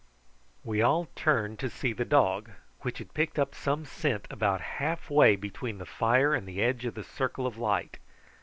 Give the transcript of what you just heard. We all turned to see the dog, which had picked up some scent about half way between the fire and the edge of the circle of light.